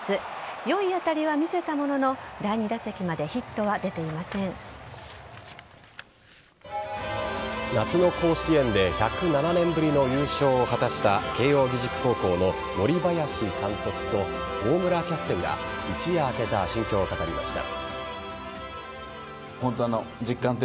良い当たりは見せたものの第２打席まで夏の甲子園で１０７年ぶりの優勝を果たした慶応義塾高校の森林監督と大村キャプテンが一夜明けた心境を語りました。